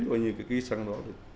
cái cư hàng săn đó